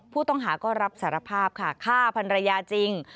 ผู้ต้องหาก็รับสารภาพค่ะฆ่าพันรยาจริง